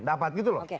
dapat gitu loh